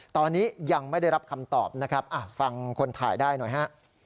ตอนนี้ยังไม่ได้รับคำตอบนะครับฟังคนถ่ายได้หน่อยฮะ